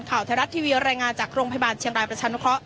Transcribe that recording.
ข่าวไทยรัฐทีวีรายงานจากโรงพยาบาลเชียงรายประชานุเคราะห